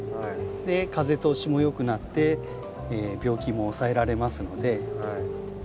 風通しもよくなって病気も抑えられますので。